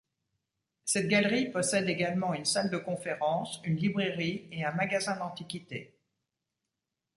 Cette galerie possède également une salle de conférence, une librairie et un magasin d'antiquités.